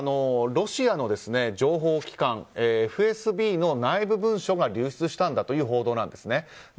ロシアの情報機関ＦＳＢの内部文書が流出したんだという報道なんです。